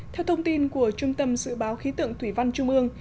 theo thông tin của trung tâm dự báo khí tượng thủy văn trung ương